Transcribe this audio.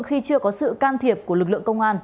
khi chưa có sự can thiệp của lực lượng công an